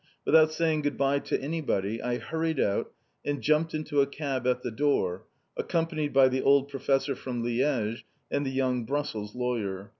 Without saying good bye to anybody, I hurried out, and jumped into a cab at the door, accompanied by the old professor from Liège, and the young Brussels lawyer.